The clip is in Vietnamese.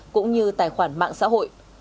cũng như tài khoản mạng xã hội